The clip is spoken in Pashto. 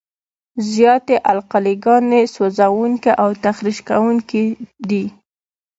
زیاتې القلي ګانې سوځونکي او تخریش کوونکي دي.